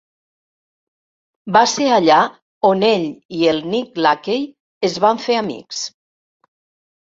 Va ser allà on ell i el Nick Lachey es van fer amics.